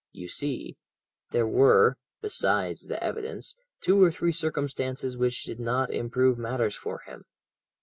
You see, there were besides the evidence two or three circumstances which did not improve matters for him.